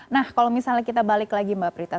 nah kalau misalnya kita balik lagi mbak prita